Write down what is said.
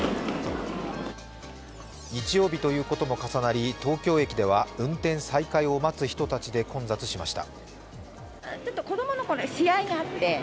日曜日ということも重なり東京駅では運転再開を待つ人たちで混雑しました。